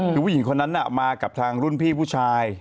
คือผู้หญิงคนนั้นมากับทางรุ่นพี่ผู้ชาย